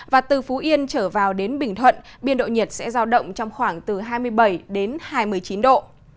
và từ phú yên trở vào đến bình thuận biên độ nhiệt sẽ giao động trong khoảng từ hai mươi bảy đến hai mươi chín độ